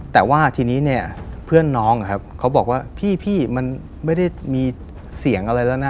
แต่ว่าทีนี้เนี่ยเพื่อนน้องเขาบอกว่าพี่มันไม่ได้มีเสียงอะไรแล้วนะ